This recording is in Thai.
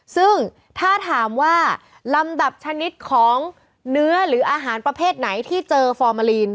ซึ่งถ้าถามว่าลำดับชนิดของเนื้อหรืออาหารประเภทไหนที่เจอฟอร์มาลีน